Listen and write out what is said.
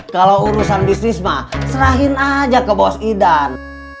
kalau urusan bisnis mah serahin aja ke bos idan